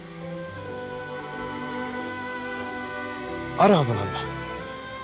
あるはずなんだ。